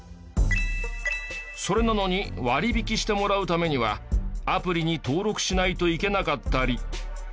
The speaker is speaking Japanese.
それなのに割引してもらうためにはアプリに登録しないといけなかったり。